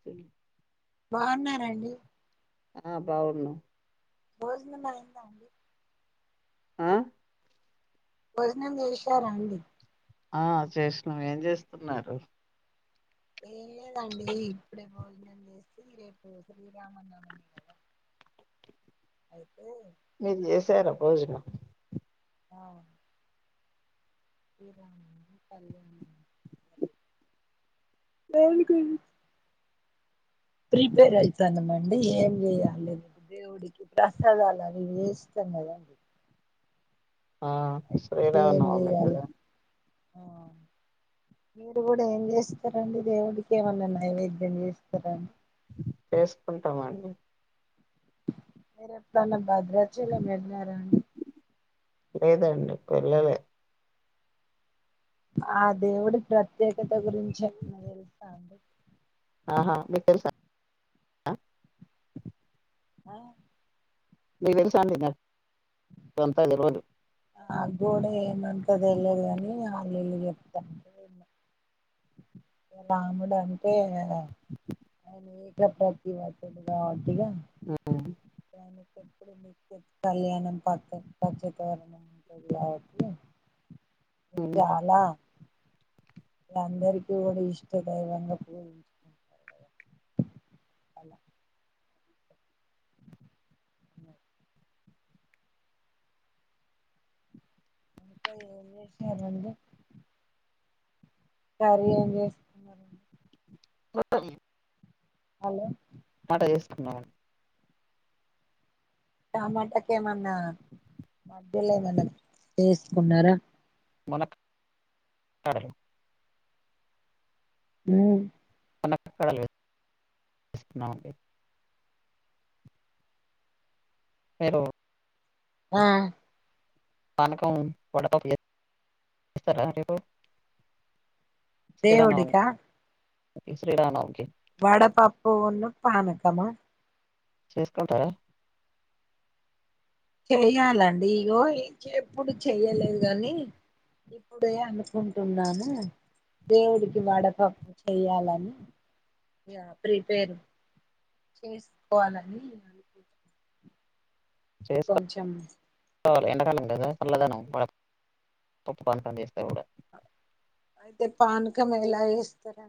సేయ్ బాగున్నారండి. ఆ బాగున్నం భోజనమయిందా అండి ఆ భోజనం జేషారా అండి ఆ చేసినాం ఏం చేస్తున్నారు. ఏం లేదండి ఇప్పుడే భోజనం చేసి రేపు శ్రీరామనమమి కదా అయితే మీరు చేసారా భోజనం దేవునికున్ ప్రిపేర్ అయితానమండి ఏం చేయాలి దేవుడికి ప్రసాదాలు అవి చేస్తాం కదండి. ఆ అయితే ఏం శ్రీరామనవమి చేయాలి గదా ఆ మీరు కూడా ఏం చేస్తరండి దేవుడికి ఏమన్నా నైవేద్యం చేస్తరాండి. చేసుకుంటామండి. మీరెప్ డన్నా భద్రాచలం వెళ్ళారా అండి. లేదండి వెళ్ళలే ఆ దేవుడి ప్రత్యేకత గురించి ఏమైనా తెలుసాండి అ ఆ మీకు తెలుసా అండి నర్ కొంతలెవలు నాకు కూడా ఏమంత తేలదు గాని వాళ్ళు ఇళ్ళు చెప్తాంటే ఇన్న రాముడు అంటే అని ఏక ప్రతి వతుడు కావట్టిగ ఉమ్ ఊ కళ్యాణం పత్ పచ్చతోరణం ఉంటది గవాట్టి చాలా అలా అందరికీ కూడా ఇష్ట దైవంగా పూజించుకుంటారు. అలా ఇంగ ఏం జేశారండి. కర్రీ ఏం చేస్తున్నారండి ప్రత్తం హలొ మాట తీసుకున్నావ్ టమాటాకి ఏమన్నా మధ్యలో ఏమన్నా టేసుకున్నారా? మనక్ కరలు హ్మ్ అ నక్క కడల్ కద్ ఇస్తూన్నామండి. హలో ఆ అనకం పడత వ్ లే వస్తారా రేపు దేవుడికా ప్రతి శ్రీరామనవమి కి వడ పప్పు ఉన్ను పానకమా చేసుకుంటారా? చేయాలండి ఇగో ఇక ఎప్పుడు చెయ్యలేదు గని ఇప్పుడే అనుకుంటున్నాను. దేవుడికి వడపప్పు చెయ్యాలని ఇగ ప్రిపేర్ చేసుకోవాలని అనుకు చేకోవాలే ఎండాకాలం కదా చల్లదానం ఉప్పంత వేస్తె కూడ అయితే పానకం ఎలా వేస్తార్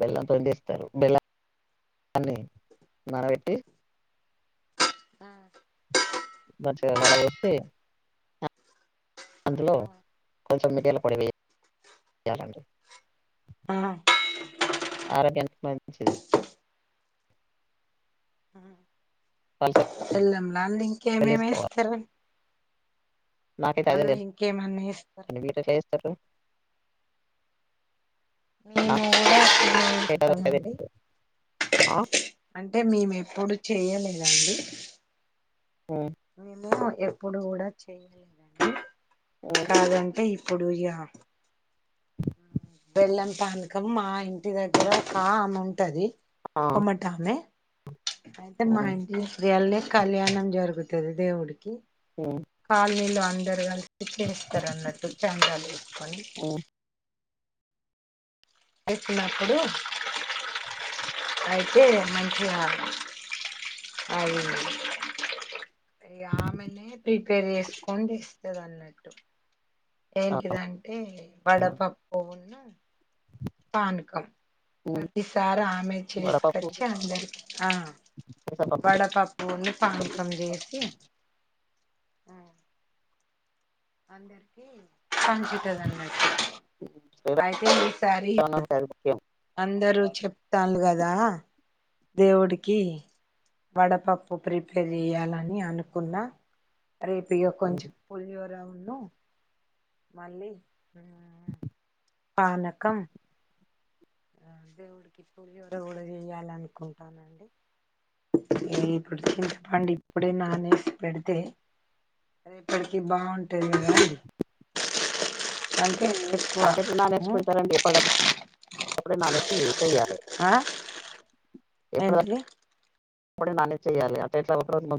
బెల్లంంతోటి చేస్తారు బెల్లం అన్ని నానబెట్టి ఆ మంచిగా వడ బోసి అందులొ కొంచం చం మిరియాల పొడి వేయి యాలండి ఆ ఆరోగ్యానికి మం చెయి తెల్లంలని ఇంకేమేమి చేసుకోవాలి ఏస్తరు నాకైతే అదే తెల్స్ ఇంకేమన్నా వేస్తారు మీరు గెట్ల చేస్తరు మేము నాకైతే ఇస్తాం అదొక్కటే అండి తెలుసు ఆ అంటే మేము ఎప్పుడు చేయ్యలేదండి ఉమ్ మీధ ఎప్పుడు కూడ చెయ్యలేదండి ఉమ్ కాదంటె ఇ అప్పుడయ్య బెల్లం పానకం మా ఇంటి దగ్గర ఒక ఆమె ఉంటది ఆ కొమ్మ టామే అయితే మా ఉమ్ ఇంటి త్రీ అల్లె కళ్యాణం జరుగుతుది దేవుడికి ఉమ్ కాల్నిలో అందరు క చిక్కెనిస్తారు అన్నట్టు కాందలు వేసుకొని ఉమ్ వస్తున్నప్పుడు అయితే మంచిగ అవున మ ఆమెనే ప్రిపేర్ చేస్కోని ఇస్తుంది అన్నట్టు ఏంటిదంటే అవునా వడపప్పు ఆ పానకం ఉమ్ ప్రతిసారి ఆమె వడపప్పు చేసుకొచ్చి అందరికి ఆ పెసరపప్పు వడపప్పుని పానకం చేసి అ అందరికి పంచు దనమాట అయితే ఈ సారి శ్రీరామనవమికి అది ముఖ్యం అందరూ చెప్తాను కదా దేవుడికి వడపప్పు ప్రిపేర్ చేయాలని అనుకున్న రేపు ఇక కొంచెం పులిహోర ను మల్లి పనకం చింతపండు ఇప్పుడే నానేసి పెడితే రేపటికి బాగుంటుంది కద అట్లా ఎట్ల నానేసి పెడుతరండి [unintelligible] ఏ ఆ ఏంటిది అప్పుడే నానే చేయ్యాలి అట్ ఎట్లా ఒకరోజు మ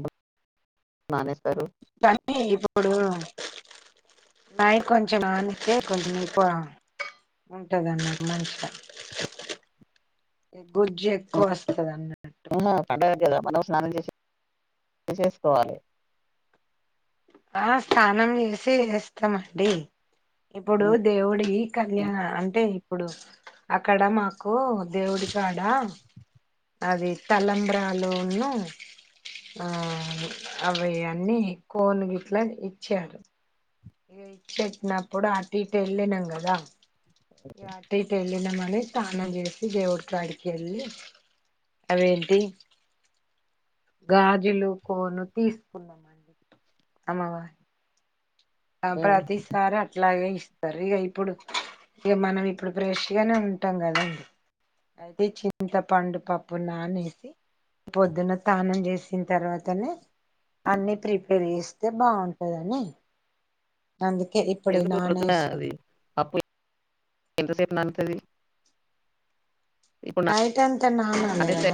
నానేస్తారు కానీ ఇప్పుడు నాయి కొంచెం నానితే కొంచెం [unintelligible] ఉంటదిన్న మంచిగా గుజ్జు ఆ ఎక్కువ వస్తుంది అన్నట్టు ఆహా పండగ కదా మనం స్నానం చేసేసుకోవాలి ఆ స్నానం చేసి వేస్తామండి ఇప్పుడు దేవుడి కల్యానా అంటే ఇప్పుడు అక్కడ మాకు దేవుడి కాడ అది తలంబ్రాలును ఆ అవి అన్నీ కోనుగి అట్లా ఇచ్చారు పెట్టినప్పుడు అటు ఇటు వెళ్ళినాం కదా ఇక అటు ఇటు వెళ్ళినామని స్నానం చేసి దేవుడి కాడికి వెళ్ళి అవేంటి గాజులు కోను తీసుకున్నామ అమవా ఆ ఉమ్ ప్రతిసారి అట్లా [unintelligible] ఇక ఇప్పుడు ఇక మనం ఇప్పుడు ఫ్రెష్గానే ఉంటాం కదండి అయితే చింతపండు పప్పు నానేసి పొద్దున్న సన్నం చేసిన తర్వాతనే అన్ని ప్రిపేర్ చేస్తే బాగుంటుందని ఎందుకు పొద్దున ఆది పప్పు ఎంత సేపు [unintelligible] [unintelligible] [unintelligible] అంత [unintelligible]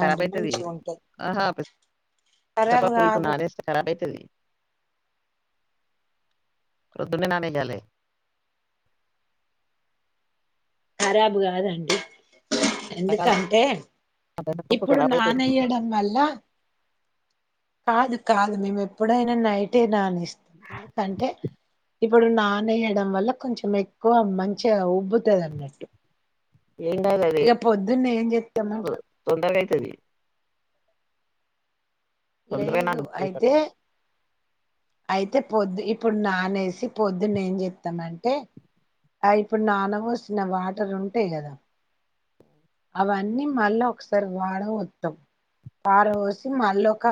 ఖరాబ్ కాదు పొద్దునే నాణేయాలి కరబూ కాదండి ఎండాకాలం ఎందుకంటే పెసరపప్పు ఇప్పుడు ఖరాబ్ అయితది నానయ్యడం వల్ల కాదు కాదు మేము ఎప్పుడైనా నైటే నానేస్తాం ఎందుకంటే ఇప్పుడు నాని వేయడం వల్ల కొంచెం ఎక్కువ మంచిగా ఉబ్బుతుంది అన్నట్టు ఏం కాదు అది ఇక పొద్దున్నే ఏం చెస్తాము [unintelligible] తొందరగా లేదు నానుద్ది అయితే పెసరపప్పు అయితే పొద్దు ఇప్పుడు నానేసి పొద్దున్న ఏం చెతామంటే ఆ ఇప్పుడు నాన్న పోసిన వాటర్ ఉంటాయి కదా అవన్నీ మళ్ళా ఒకసారి వాడ వస్తాం వాడ పోసి మళ్ళీ ఒక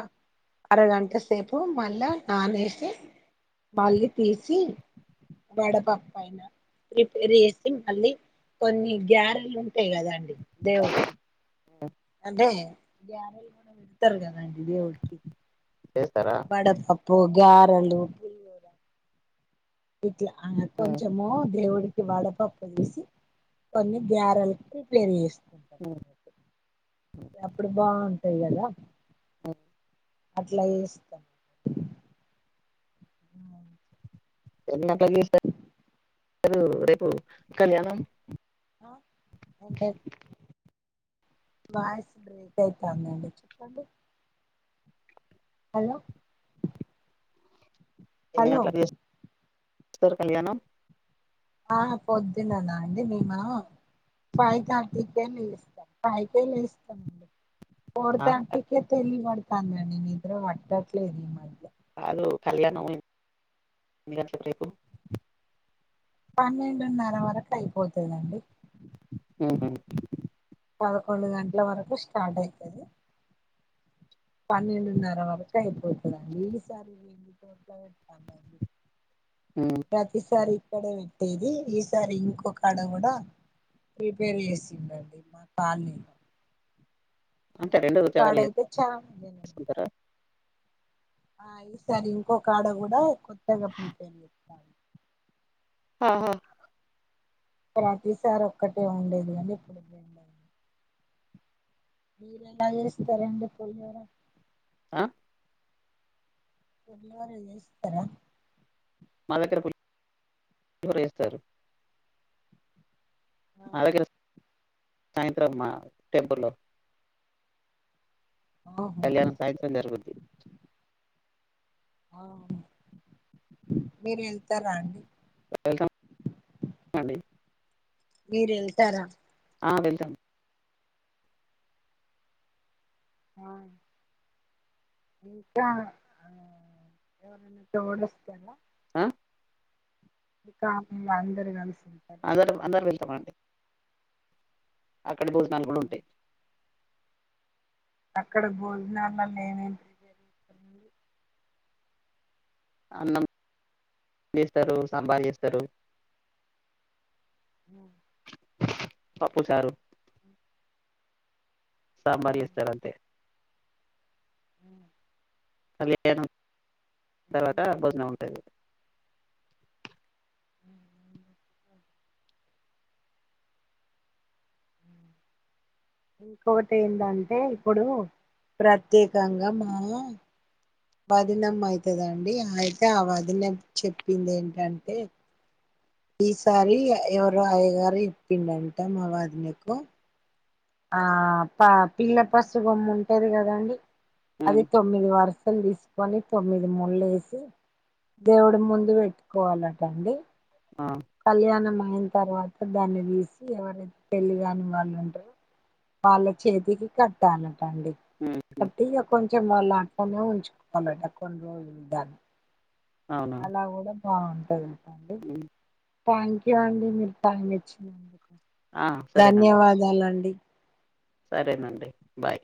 అరగంట సేపు మళ్ళా నానేసి మళ్ళీ తీసి వడపప్పయిన ప్రిపేర్ చేసి మళ్ళీ కొన్ని గ్యారెలు ఉంటాయి కదండి దేవుడికి అంటే ఇత్తరు చేస్తారా గ్యారలు లా అ హ్మ్. కొంచమో దేవుడుకి వడపప్పు వేసి కొన్ని గ్యారెల్ ప్రిపేర్ జేస్ ఉ ఎప్పుడు బాన్ చేయ్యదా [inaudible] అట్లా జేస్తాం [inaudible] ఎన్న పొల్యూషన్ ర్ రేపు కళ్యాణం ఆ అంటె వాయిస్ బ్రేక్ అయితందండి చెప్పండి హలో ఎన్ని హలో గంట్లకు లేస్ ర్ కళ్యాణం ఆ పొద్దునద అండి మేమ ఫైవ్ థర్టీ కేే లేస్తాం ఫైవ్ కేే లేస్తాం ఫోర్ ఆహా థర్టీ కే తిని పడు కాంగ నే నిద్ర వట్టట్లేదు ఈమధ్య రేపు కళ్యాణం ఎన్ని గంటలకు లేపు పన్నెండున్నర వరకు అయిపోతుందండి ఊ పదకొండు గంటల వరకు స్టార్ట్ అయితుది పన్నెండున్నర వరకుయపోయిత దండి ఈసారి ఏంగా [inaudible] ప్రతి సారి ఇక్కడ పెట్టేది ఈసారి ఇంకొ కాడ గుడా ప్రిపేర్ చేసిండండి మా కాలనీలో ఒక కాడయితే చ స్తుంతార ఆ ఈసారి ఇంకొకాడ గూడ కొత్తగా ప్రిపేర్ చేతారు ఆహా ప్రతిసారి ఒక్కటే ఉండేది కానీ ఇప్పుడు రెండు మీరు ఎలా జేస్తారండి పులిహోర ఆ పులిహోర చేసిత్తర మా దగ్గర పులిహోర జేస్తారు ఆ అలాగే సాయంత్రం మా టెంపుల్ లో ఆహా కళ్యాణం సాయంత్రం జరుగుద్ది అ మీరు వెళ్తారా అండి వెళ్తాం అండి మీరుళ్తెరా ఆ వెళ్తాం ఆ ఇంకా ఎవరన్న తోడువస్తార ఉ ఇంకా మేం అందరు కలిసి ఉంటారా అందరు అందరూ వెళ్తామండి అక్కడ భోజనాలు కూడా ఉమ్. ఉంటాయి అక్కడ భోజనాాలలో ఏమేమి అన్నం చేస్తారు సంబర్ చేస్తారు హ పప్పు చారు సాంబార్ చేస్తారు అంతే అ కళ్యాణం తర్వాత మళ్ళీ భోజనం ఉంటాది వస్తారు [inaudible] ఇంకొకటి ఏంటంటే ఇప్పుడు ప్రత్యేకంగా మా వదినమ్మ అయితదండి అయితే ఆ వదినం చెప్పింది ఏంటంటే ఈసారి ఎవరో అయ్యగారు చెప్పిండంట మా వాదినకు ఆ పా పిల్ల పసుగొమ్ము ఉంటది కదాండి ఉమ్ అది తొమ్మిది వారాలు క్కలు తీసుకొని తొమ్మిది ముళ్లు ఎసి దేవుడి ముందు పెట్టుకోవాలటండి ఆ కళ్యాణం అయ్యిం తర్వాత దాన్ని తీసి ఎవరైతే పెళ్ళి కాని వాళ్ళు ఉంటారో వాళ్ళ చేతికి కట్టాలి డి ఉమ్ కంటిగా కొ [unintelligible] కొంచం వాళ్ళ అక్క నో ఉంచుకోవాలి అండి కోన్ని రోజులు దాక అవును అలా కూడా బావుంటదండి థ్యాంక్యూ అండి మీరు టైమ్ ఇచ్చార్ ఆ సరేనండి ధన్యవాదాలండి సరేనండి బాయ్